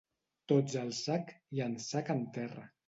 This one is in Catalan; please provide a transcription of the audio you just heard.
Tots al sac, i en sac en terra.